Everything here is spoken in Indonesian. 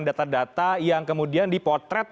data data yang kemudian dipotret